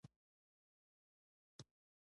هغه غواړي زما څیړنیز کوچ په ګردجن کونج کې کیږدي